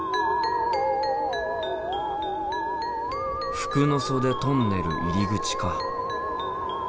服ノ袖トンネル入り口か。